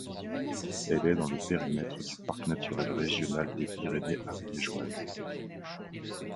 Elle est dans le périmètre du parc naturel régional des Pyrénées ariégeoises.